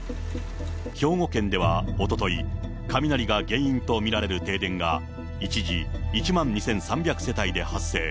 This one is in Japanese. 兵庫県ではおととい、雷が原因と見られる停電が、一時、１万２３００世帯で発生。